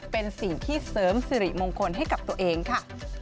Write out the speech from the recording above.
เป็นสิ่งที่เสริมสิริมงคลให้กับตัวเองค่ะ